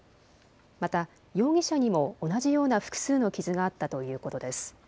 また容疑者にも同じような複数の傷があったということです。